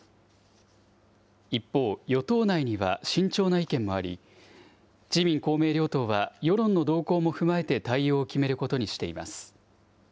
一方、与党内には慎重な意見もあり、自民、公明両党は、世論の動向も踏まえて対応を決めることにしています。